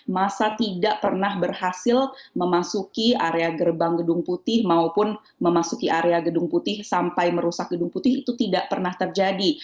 masa tidak pernah berhasil memasuki area gerbang gedung putih maupun memasuki area gedung putih sampai merusak gedung putih itu tidak pernah terjadi